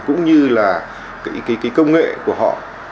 cũng như là cái công nghệ của họ